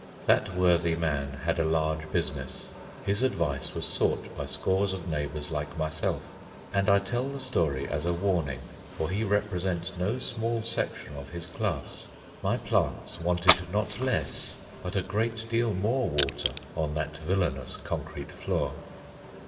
That worthy man had a large business. His advice was sought by scores of neighbours like myself. And I tell the story as a warning; for he represents no small section of his class. My plants wanted not less but a great deal more water on that villainous concrete floor.